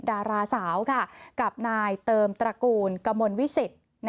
ดาราสาวกับนายเติมตระกูลกมลวิสิต